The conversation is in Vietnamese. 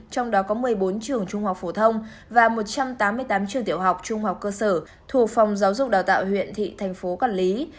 trong đó có một mươi bốn trường trung học phổ thông và một trăm tám mươi tám trường tiểu học trung học cơ sở thuộc phòng giáo dục đào tạo huyện thị thành phố quản lý